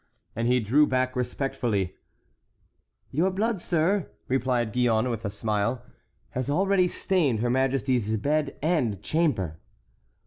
And he drew back respectfully. "Your blood, sir," replied Gillonne, with a smile, "has already stained her majesty's bed and chamber."